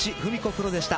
プロでした。